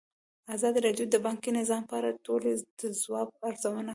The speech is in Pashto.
ازادي راډیو د بانکي نظام په اړه د ټولنې د ځواب ارزونه کړې.